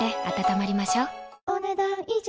お、ねだん以上。